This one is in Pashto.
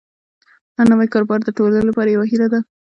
هر نوی کاروبار د ټولنې لپاره یوه هیله ده.